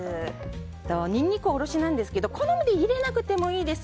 ニンニクおろしなんですけど好みで入れなくてもいいです。